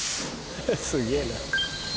すげぇな。